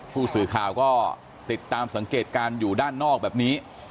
ผู้สื่อข่าวก็ติดตามสังเกตการณ์อยู่ด้านนอกแบบนี้